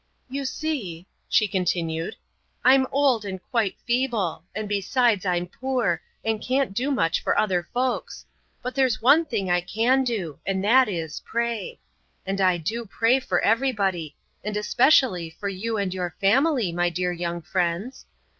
"You see," she continued, "I'm old and quite feeble, and besides I'm poor, and can't do very much for other folks; but there's one thing I can do, and that is, pray. And I do pray for everybody and especially for you and your family, my dear young friends.